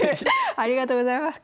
ありがとうございます。